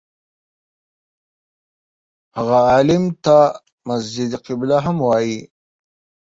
هغه عالم ته مسجد قبله هم وایي.